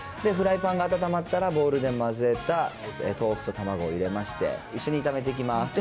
フライパンが温まったらボウルで混ぜた豆腐と卵を入れまして、一緒に炒めていきます。